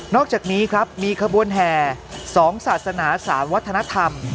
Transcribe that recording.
อกจากนี้ครับมีขบวนแห่๒ศาสนา๓วัฒนธรรม